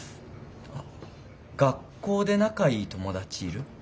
あっ学校で仲いい友達いる？